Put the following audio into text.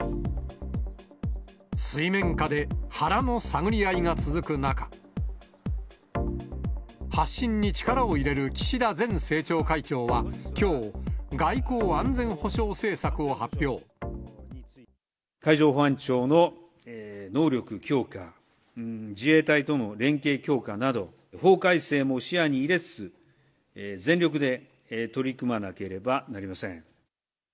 水面下で腹の探り合いが続く中、発信に力を入れる岸田前政調会長はきょう、海上保安庁の能力強化、自衛隊との連携強化など、法改正も視野に入れつつ、全力で取り組まなければなりません。